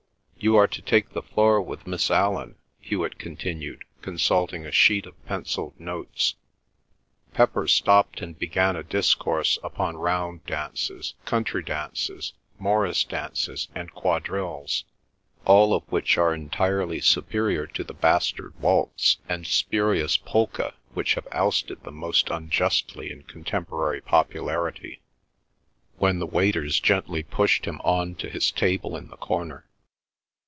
"You are to take the floor with Miss Allan," Hewet continued, consulting a sheet of pencilled notes. Pepper stopped and began a discourse upon round dances, country dances, morris dances, and quadrilles, all of which are entirely superior to the bastard waltz and spurious polka which have ousted them most unjustly in contemporary popularity—when the waiters gently pushed him on to his table in the corner.